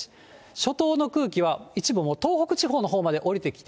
初冬の空気は一部もう東北地方のほうまで下りてきて。